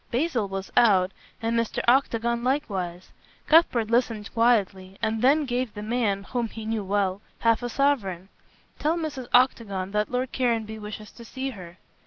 Basil was out, and Mr. Octagon likewise. Cuthbert listened quietly, and then gave the man, whom he knew well, half a sovereign. "Tell Mrs. Octagon that Lord Caranby wishes to see her."